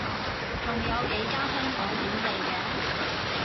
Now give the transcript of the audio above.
仲有幾間香港本地嘅